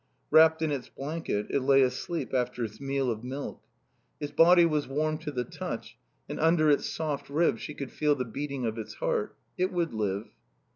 Wrapped in its blanket, it lay asleep after its meal of milk. Its body was warm to the touch and under its soft ribs she could feel the beating of its heart. It would live.